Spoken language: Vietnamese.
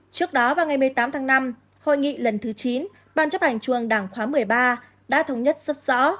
trước đó vào ngày một mươi tám tháng năm hội nghị lần thứ chín ban chấp hành chuồng đảng khóa một mươi ba đã thống nhất rất rõ